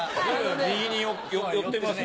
右に寄ってますね。